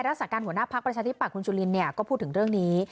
รักษาการหัวหน้าพักประชาธิบัตย์คุณจุลินก็พูดถึงเรื่องนี้